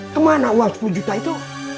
kemana uang sepuluh juta itu